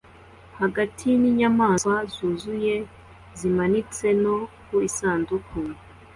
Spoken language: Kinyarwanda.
hagati yinyamaswa zuzuye zimanitse no ku isanduku